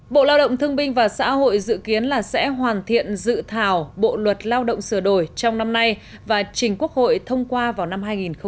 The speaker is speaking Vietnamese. bộ lao động thương binh và xã hội dự kiến là sẽ hoàn thiện dự thảo bộ luật lao động sửa đổi trong năm nay và trình quốc hội thông qua vào năm hai nghìn hai mươi